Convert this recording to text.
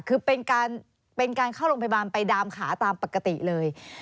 คือเป็นการเข้าโรงพยาบาลไปดามขาตามปกติเลย